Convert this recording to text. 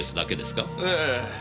ええ。